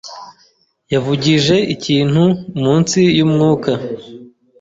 yavugije ikintu munsi yumwuka.